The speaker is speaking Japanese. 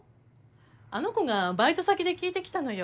あの子がバイト先で聞いてきたのよ。